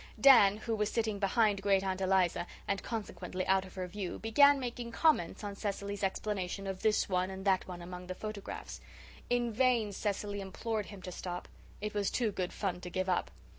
Dan, who was sitting behind Great aunt Eliza, and consequently out of her view, began making comments on Cecily's explanation of this one and that one among the photographs. In vain Cecily implored him to stop. It was too good fun to give up.